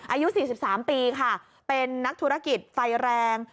อายุ๔๓ปีค่ะเป็นนักธุรกิจไฟแรง